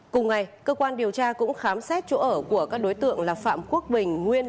cùng ngày cơ quan điều tra cũng khám xét chỗ ở của các đối tượng là phạm quốc bình nguyên